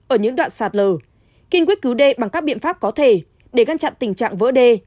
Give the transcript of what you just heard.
ở những đoạn sạt lờ kinh quyết cứu đê bằng các biện pháp có thể để găn chặn tình trạng vỡ đê